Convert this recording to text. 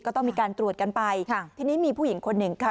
ก็ต้องมีการตรวจกันไปค่ะทีนี้มีผู้หญิงคนหนึ่งค่ะ